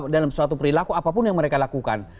dalam suatu perilaku apapun yang mereka lakukan